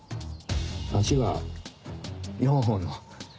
足が４本の。